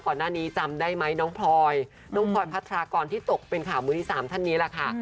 ก่อนหน้านี้จำได้ไหมน้องพลอยน้องพลอยพัทรากรที่ตกเป็นข่าวมือที่สามท่านนี้แหละค่ะ